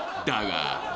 ［だが］